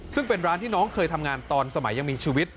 ซึ่งเป็นร้านที่น้องเคยทำงานตอนสมัยยังมีชีวิต